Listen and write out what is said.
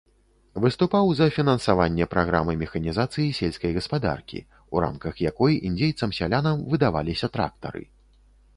Выступаў за фінансаванне праграмы механізацыі сельскай гаспадаркі, у рамках якой індзейцам-сялянам выдаваліся трактары.